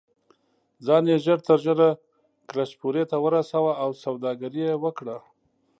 ځان یې ژر تر ژره کلشپورې ته ورساوه او سوداګري یې وکړه.